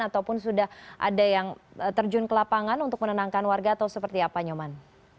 ataupun sudah ada yang terjun ke lapangan untuk menenangkan warga atau seperti apa nyoman